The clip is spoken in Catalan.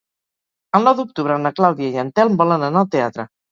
El nou d'octubre na Clàudia i en Telm volen anar al teatre.